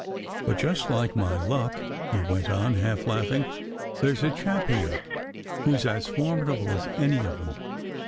"But, just like my luck," he went on, half laughing, "there s a chap here who s as formidable as any of them.